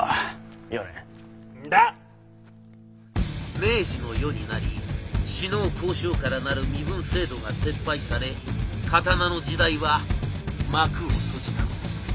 明治の世になり士農工商から成る身分制度が撤廃され刀の時代は幕を閉じたのです。